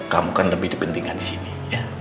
kamu kan lebih di pentingkan disini ya